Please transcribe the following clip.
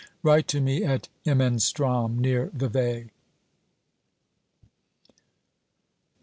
Write to me at Imenstrom, near Vevey.